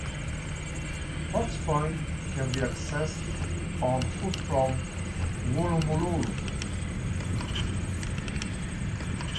Potts Point can be accessed on foot from Woolloomooloo.